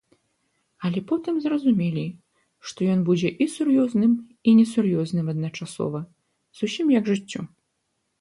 Але потым зразумелі, што ён будзе і сур'ёзным, і несур'ёзным адначасова, зусім як жыццё.